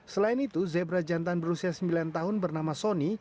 selain itu zebra jantan berusia sembilan tahun bernama sony